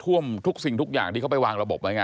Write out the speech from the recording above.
ท่วมทุกสิ่งทุกอย่างที่เขาไปวางระบบไว้ไง